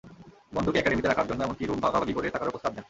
বন্ধুকে একাডেমিতে রাখার জন্য এমনকি রুম ভাগাভাগি করে থাকার প্রস্তাবও দেন।